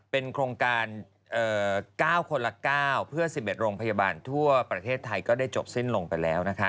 เป็นโครงการ๙คนละ๙เพื่อ๑๑โรงพยาบาลทั่วประเทศไทยก็ได้จบสิ้นลงไปแล้วนะคะ